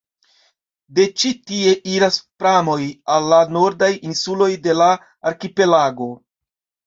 De ĉi tie iras pramoj al la nordaj insuloj de la arkipelago.